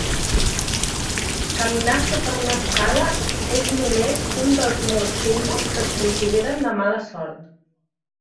Caminar sota una escala es només un dels molts símbols que es consideren de mala sort.